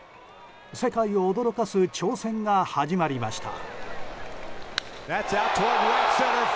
世界を驚かす挑戦が始まりました。